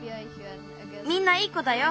みんないい子だよ。